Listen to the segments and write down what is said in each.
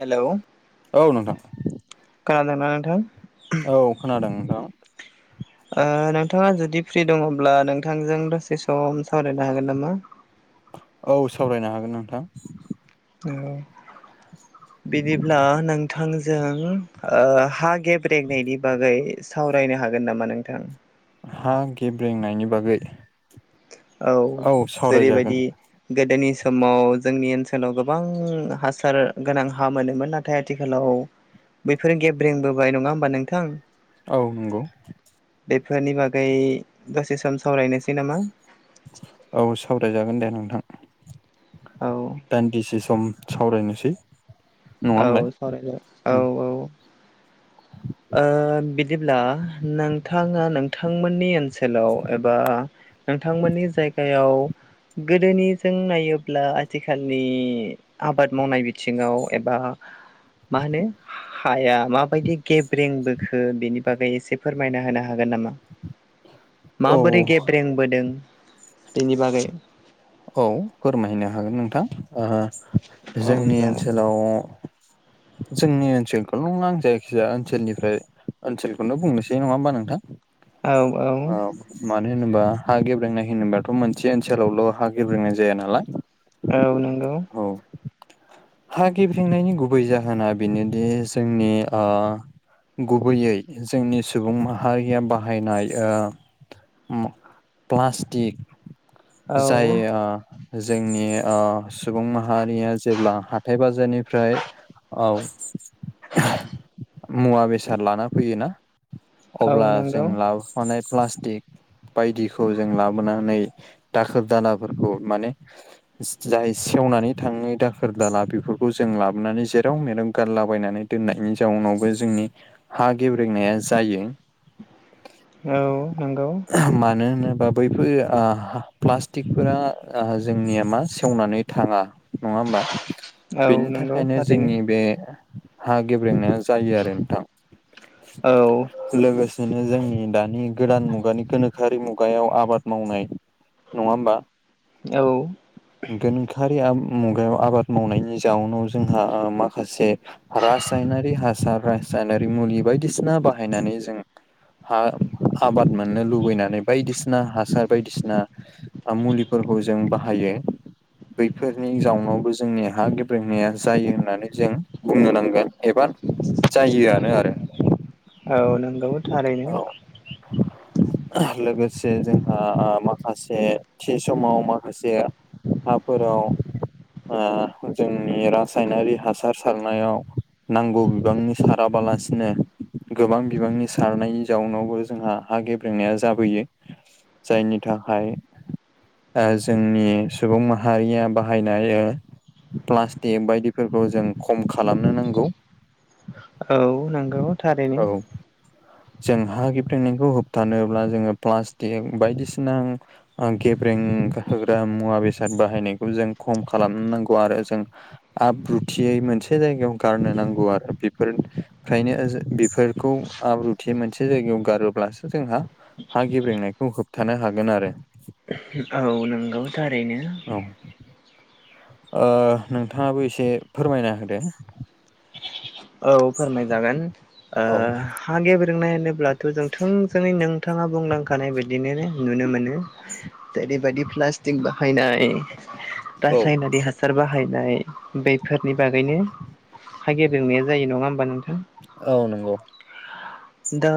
Hello औ नोंथां। खोनादों ना नोंथां? औ खोनादों नोंथां। ओ नोंथाङा जुदि फ्रि दङब्ला नोंथांजों दसे सम सावरायनो हागोन नामा? औ सावरायनो हागोन नोंथां। औ बिदिब्ला नोंथांजों ओ हा गेब्रेंनायनि बागै सावरायनो हागोन नामा नोंथां? हा गेब्रेंनायनि बागै। औ जेरैबायदि गोदोनि समाव जोंनि ओनसोलाव गोबां हासार गोनां हा मोनोमोन ना थाय आथिखालाव बैफोर गेब्रेंबोबाय नङा होमबा नोंथां? औ नंगौ। बेफोरनि बागै दसे सम सावरायनोसै नामा? औ सावरायजागोन दे नोंथां। औ दान्दिसे सम सावरायनोसै। नङा होमलाय औ सावरायजागोन औ औ। [inaudible] ओ बिदिब्ला नोंथाङा नोंथांमोननि ओन सोलाव एबा नोंथांमोननि जायगायाव गोदोनिजों नायोब्ला आथिखालनि आबाद मावनाय बिथिङाव एबा मा होनो हाया माबायदि गेब्रेंबोखो बेनि बागै एसे फोरमायना होनो हागोन नामा? औ माबोरै गेब्रेंबोदों बेनि बागै। औ फोरमायनो हागोन नोंथां। ओ औ जोंनि जागोन ओनसोलाव जोंनि ओनसोलखौल' नङा आं जायखिजाया ओनसोलनिफ्राय ओनसोलखौनो बुंनोसै नङा होमबा नोंथां? औ औ मानो होनोबा हा गेब्रेंनाय होनोबाथ' मोनसे ओनसोलावल' हा गेब्रेंनाय जाया नालाय। औ नंगौ। औ हा गेब्रेंनायनि गुबै जाहोना बेनोदि जोंनि ओ गुबैयै जोंनि सुबुं माहारिया बाहायनाय ओ म प्लास्टिक औ जाय ओ ओ जोंनि ओ सुबुं माहारिया जेब्ला हाथाय बाजारनिफ्राय औ मुवा बेसाद लाना फैयोना? औ अब्ला जों नंगौ लाबोफानाय प्लास्टिक बायदिखौ जों लाबोनानै दाखोर दालाफोरखौ माने जाय सेवनानै थांङै दाखोर दाला बेफोरखौ जों लाबोनानै जेराव मेराव गारला बायनानै दोननायनि जाउनावबो जोंनि हा गेब्रेंनाया जायो। औ नोंगौ। मानो होनोबा बैफोर आहा प्लाट टिकफोरा ओ जोंनिया मा सेवनानै थांङा नंङा होमबा? औ बेनि नंगौ थाखायनो थारैनो जोंनि बे हा गेब्रेंनाया जायो आरो नोंथां। औ लोगोसेनो जोंनि दानि गोदान मुगानि गोनोखोआरि मुगायाव आबाद मावनाय नंङा होमबा? औ गोनोखोआरि आ मुगायाव आबाद मावनायनि जाउनाव जोंहा ओ माखासे रासायनारि हासार रासायनारि मुलि बायदिसिना बाहायनानै जों हा आबाद मोननो लुबैनानै बायदिसिना हासार बायदिसिना आ मुलिफोरखौ जों बाहायो। बैफोरनि जाउनावबो जोंनि हा गेब्रेंनाया जायो होननानै जों बुंनो नांगोन एबा जायो आरो आरो। औ नोंगौ थारैनो। औ लोगोसे जोंहा आ माखासे थि समाव माखासे हाफोराव ओ जोंनि रासायनारि हासार सारनायाव नांगौ बिबांनि साराबालासिनो गोबां बिबांनि सारनायनि जाउनावबो जोंहा हा गेब्रेंनाया जाबोयो। जायनि थाखाय ओ जोंनि सुबुं माहारिया बाहायनाय ओ प्लास्टिक बायदिफोरखौ जों खम खालामनो नांगौ। औ नोंगौ थारैनो। औ जों हा गेब्रेंनायखौ होबथानोब्ला जोंङो प्लास्टिक बायदिसिना ओ गेब्रें होग्रा मुवा बेसाद बाहायनायखौ जों खम खालामनो नांगौ आरो जों आब्रुथियै मोनसे जायगायाव गारनो नांगौ आरो बेफोर फ्रायनो ओ जो बेफोरखौ आब्रुथियै मोनसे जायगायाव गारोब्लास जोंहा हा गेब्रेंनायखौ होबथानो हागोन आरो। औ नोंगौ थारैनो। औ ओ नोंथांङाबो एसे फोरमायना होदो। औ फोरमाय जागोन ओ औ हा गेब्रेंनाय होनोब्लाथ' जों थोंजोंयै नों थांङा बुंलांखानाय बायदिनो नुनो मोनो जेरैबायदि प्लास्टिक बाहायनाय रासायनारि हासार बाहायनाय बैफोरनि बागैनो जोंनाया जायो नंङा होमबा नोंथां? औ नंगौ। दा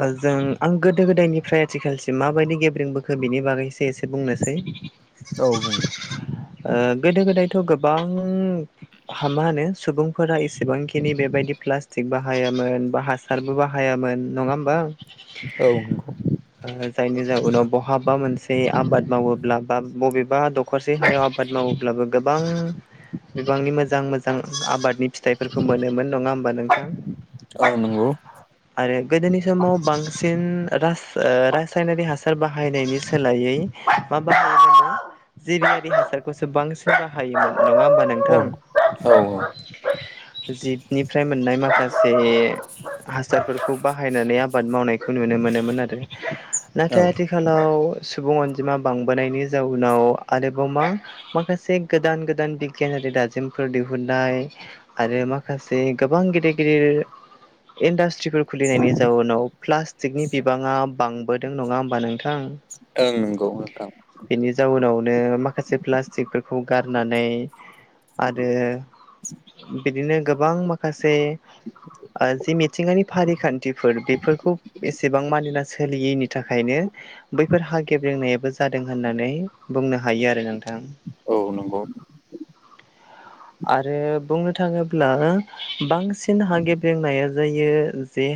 ओ जों आं गोदो गोदायनिफ्राय आथिखालसिम माबायदि गेब्रेंबोखो बिनि बागैसो एसे बुंनोसै। औ बुं दे। ओ गोदो गोदायथ' गोबां हा मा होनो सुबुंफोरा इसेबांखिनि बेबायदि प्लास्टिक बाहायामोन बा हासारबो बाहायामोन नङा होमबा। औ नंखौ। ओ जायनि जाहनाव बहाबा मोनसे आबाद मावोब्ला बा बबेबा द खरसे होनायाव आबाद मावोब्लाबो गोबां बिबांनि मोजां मोजां आबादनि फिथाइफोरखौ मोनोमोन नंङा होमबा नोंथां? औ नंगौ। आरो गोदोनि समाव बांसिन रासा ओ-रासायनारि हासार बाहायनायनि सोलायै मा बाहायोमोननो जिबियारि हासारखौसो बांसिन बाहायोमोन नङा होमबा नों औ औ जिबनिफ्राय मोननाय माखासे हासारफोरखौ बाहायनानै आबाद मावनायखौ नुनो मोनोमोन आरो औ नाथाय आथिखा लाव सुबुं अनजिमा बांबोनायनि जाउनाव आरोबाव मा माखासे गोदान गोदान बिगियानारि दाजेम फोर दिहुननाय आरो माखासे गोबां गिदिर गिदिर इन्डास्ट्रिफोर खुलिनायनि जाउनाव प्लास्टिकनि बिबाङा बांबोदों नङा होमबा नोंथां। ओं नंगौ नोंथां बेनि जाउनावनो माखासे प्लास्टिकफोरखौ गारनानै आरो बिदिनो गोबां माखासे जि मिथिंगानि फारिखान्थिफोर बेफोरखौ एसेबां मानिना सोलियैनि थाखायनो बैफोर हा गेब्रेंनायाबो जादों होननानै बुंनो हायो आरो नोंथां। औ नंगौ आरो बुंनो थाङोब्ला बांसिन हा ब्रेंनाया जायो जे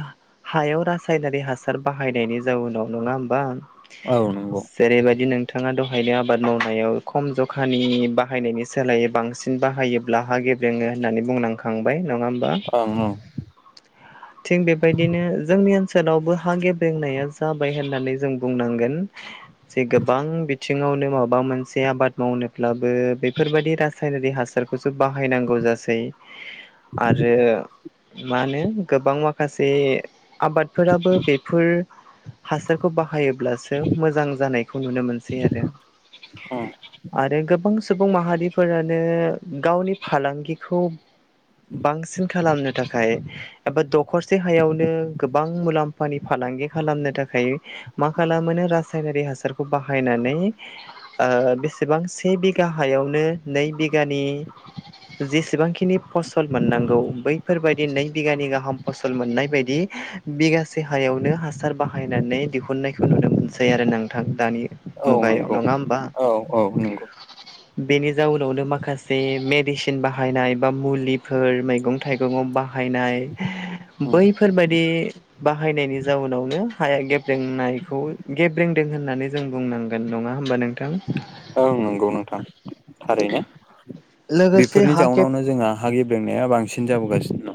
हायाव रासायनारि हासार बाहायनायनि जाउनाव नङा होमबा। औ नंगौ जेरैबायदि नोंथाङा दहायनो आबाद मावनायाव खम जखानि बाहायनायनि सोलायै बांसिन बाहायोब्ला हा गेब्रेङो होननानै बुंनांखांबाय नङा होमबा। ओं ओं थिग बेबायदिनो जोंनि ओनसोलावबो हा गेब्रेंनाया जाबाय होननानै जों बुंनांगोन। जे गोबां बिथिङावनो माबा मोनसे आबाद मावनोब्लाबो बेफोरबायदि रास रासायनारि हासारखौसो बाहायनांगौ जासै आरो मा होनो गोबां माखासे आबादफोराबो बेफोर हासारखौ बाहायोब्लासो मोजां जानायखौ नुनो मोनसै आरो। ओं आरो गोबां सुबुं माहारिफोरानो गावनि फालांगिखौ बांसिन खालामनो थाखाय एबा दखरसे हायावनो गोबां मुलाम्फानि फालांगि खालामनो थाखाय मा खालामोनो रासायनारि हासारखौ बाहायनानै ओ बेसेबां से बिगा हायावनो नै बिगानि जेसेबांखिनि फसल मोननांगौ बैफोरबायदि नै बिगानि गाहाम फसल मोननाय बायदि बिगासे हायावनो हासार बाहायनानै दिहुननायखौ नुनो मोनसै आरो नोंथां दानि औ मुगायाव नंगौ नङा होमबा औ औ नंगौ बेनि जाउनावनो माखासे मेडिसिन बाहायनाय बा मुलिफोर मैगं थाइगंआव बाहाय हायनाय उम बैफोरबायदि बाहायनायनि जाउनावनो हाया गेब नायखौ गेब्रेंदों होननानै जों बुंनांगोन नङा होमबा नोंथां। ओं नंगौ नोंथां थारैनो लोगोसे बेफोरनि हा गेब जाउनावनो जोंहा हा गेब्रेंनाया बांसिन जाबोगासिनो दं।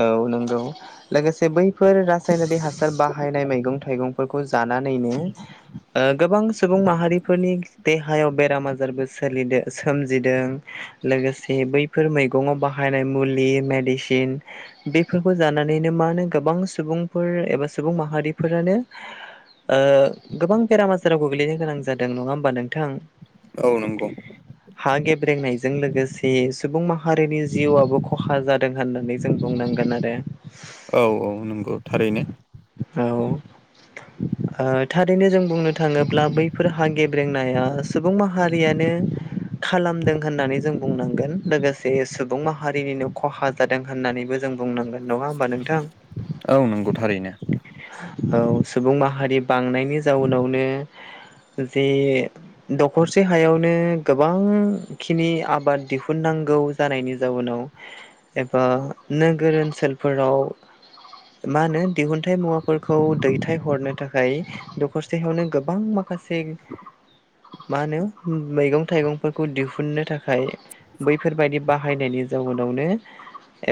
औ नंगौ लोगोसे बैफोर रासायनारि हासार बाहायनाय मैगं थाइगं फोरखौ जानानैनो ओ गोबां सुबुं माहारिफोरनि देहायाव बेराम आजारबो सोलिदों सोमजिदों लोगोसे बै बेफोर मैगंव बाहायनाय मुलि मेडिसिन बेफोरखौ जानानैनो मा होनो गोबां सुबुंफोर एबा सुबुं माहारिफोरानो ओ गोबां बेराम आजाराव गोग्लैनो गोनां जादों नङा होमबा नोंथां? औ नंगौ हा गेब्रेंनायजों लोगोसे सुबुं माहारिनि जिउआबो खहा जादों होननानै जों बुंनांगोन आरो औ औ नंगौ थारैनो। औ ओ थारैनो जों बुंनो थाङोब्ला बैफोर हा गेब्रें नाया सुबुं माहारियानो खालामदों होननानै जों बुंनांगोन लोगोसे सुबुं माहारिनिनो ख'हा जादों। होननानैबो जों बुंनांगोन नङा होमबा नोंथां? औ नंगौ थारैनो औ सुबुं माहारि बांनायनि जाउनावनो जे दखरसे हायावनो गोबां खिनि आबाद दिहुननांगौ जानायनि जाउनाव ओ नोगोर ओनसोलफोराव मा होनो दिहुनथाइ मुवाफोरखौ दैथाय हरनो थाखाय दखरथायावनो गोबां मा खासे मा होनो मैगं थाइगंफोरखौ दिहुननो थाखाय बैफोरबायदि बाहायनायनि जाउनावनो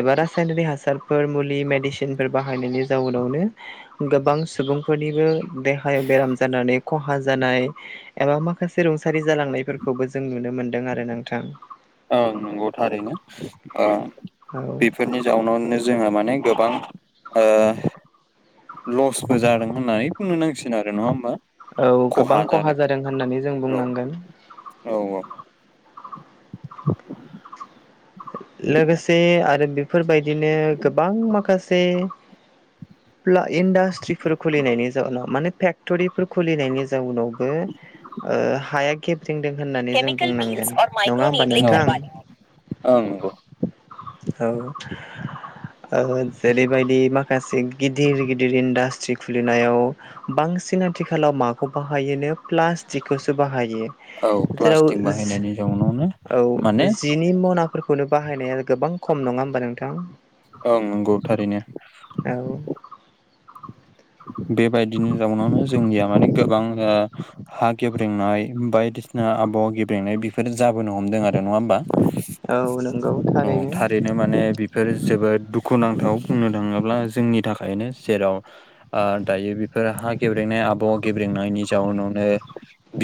एबा रासायनारिक हासारफोर मुलि मेडिसिनफोर बाहायनायनि जाउनावनो गोबां सुबुंफोरनिबो देहायाव बेराम जानानै खहा जानाय एबा माखासे रुंसारि जालांनायफोरखौबो जों नुनो मोनदों आरो नोंथां। ओं नंगौ थारैनो ओ। औ। बे फोरनि जाउनावनो जोंहा माने गोबां ओ लसबो जादों होननानै बुंनो नांसिगोन आरो नङा होमबा? औ गोबां खहा जादों होननानै जों बुंनांगोन। औ-औ। लोगोसे आरो बेफोरबायदिनो गोबां माखासे ब्ला इन्डास्ट्रिफोर खुलिनायनि जाउनाव माने फेक्ट'रिफोर खुलिनायनि जाउनाव बो हाया गेब्रंदों होननानै जों केमिकेल पिल्स बुंनांगोन और माइक्र' नङा होमबा निडलिंग नोंथां? करवा ओं नंगौ। औ। ओ जेरैबायदि माखासे गिदिर गिदिर इन्डास्ट्रि खुलिनायाव बांसिन आथिखालाव माखौ बाहायोनो प्लास्टिकखौसो बाहायो। औ जेराव प्लास्टिक बाहायनायनि जाउनावनो माने नि मनाफोरखौनो बाहायनाया गोबां खम नङा होमबा नोंथां? ओं नंगौ थारैनो। औ। बेबायदिनि जाउनावनो जोंनिया माने गोबां हा गेब्रेंनाय बायदिसिना आबहावा गेब्रेनाय बि फोर जाबोनो हमदों आरो नङा होमबा औ नंगौ औ थारैनो माने बेफोर जोबोद दुखुनांथाव बुंनो थाङोब्ला जोंनि थाखायनो जेराव ओ दायो बेफोर हा गेब्रेनाय आबौ गेब्रेनायनि जाउनावनो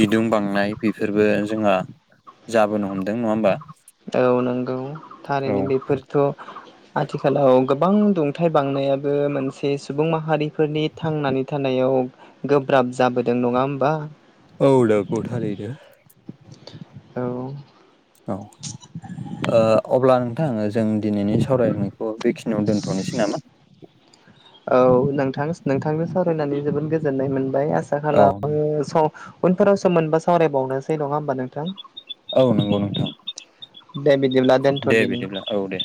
बिदुं बांनाय बेफोरबो जोंहा जाबोनो हमदों नङा होमबा? औ नंगौ औ थारैनो बेफोरथ'। आथिखालाव गोबां दुंथाइ बांनायाबो मोनसे सुबुं माहारिफोरनि थांनानै थानायाव गोब्राब जाबोदों नङा होमबा? औ नंगौ थारैनो। औ। औ। ओ अब्ला नोंथां ओ जों दिनैनि सावरायनायखौ बेखि [unintelligible] दोनथ'नोसै नामा औ नोंथांस। नोंथांजों सावरायनानै जोबोद गोजोननाय मोनबाय। आसा औ खालामो [unintelligible] उनफोराव सम मोनबा सावरायबावनोसै नङा होमबा नोंथां। औ नंगौ नोंथां दे बिदिब्ला दोनथ' दे दिनि? बिदिब्ला औ दे।